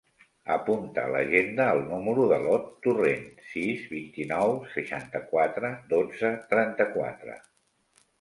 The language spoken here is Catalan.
Apunta a l'agenda el número de l'Ot Torrent: sis, vint-i-nou, seixanta-quatre, dotze, trenta-quatre.